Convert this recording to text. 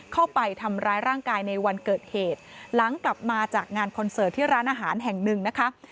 เข้าไปทำร้ายร่างกายในวันเกิดเหตุหลังกลับมาจากงานคอนเสิร์ตที่ร้านอาหารแห่งหนึ่งนะคะ